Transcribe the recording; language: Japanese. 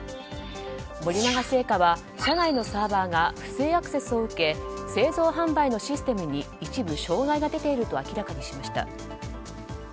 森永製菓は社内のサーバーが不正アクセスを受け製造・販売のシステムに一部障害が出ていると明らかにしました。